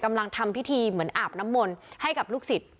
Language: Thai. ทำพิธีเหมือนอาบน้ำมนต์ให้กับลูกศิษย์